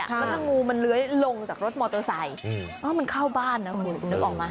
แล้วถ้างูมันเลื้อยลงจากรถมอเตอร์ไซค์มันเข้าบ้านนะคุณนึกออกไหม